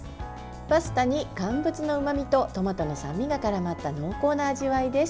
パスタに乾物のうまみとトマトの酸味がからまった濃厚な味わいです。